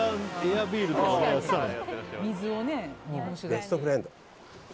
ベストフレンド。